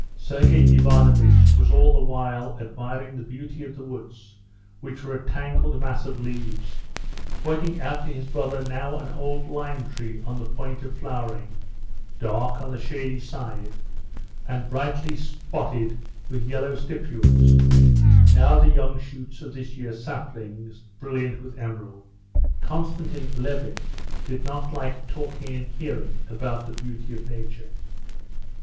Sergey Ivanovitch was all the while admiring the beauty of the woods, which were a tangled mass of leaves, pointing out to his brother now an old lime tree on the point of flowering, dark on the shady side, and brightly spotted with yellow stipules, now the young shoots of this year's saplings brilliant with emerald. Konstantin Levin did not like talking and hearing about the beauty of nature.